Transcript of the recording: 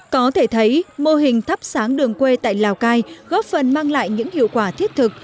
có thể thấy mô hình thắp sáng đường quê tại lào cai góp phần mang lại những hiệu quả thiết thực